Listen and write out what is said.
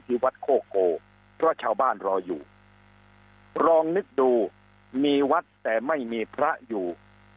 วัดโคโกเพราะชาวบ้านรออยู่ลองนึกดูมีวัดแต่ไม่มีพระอยู่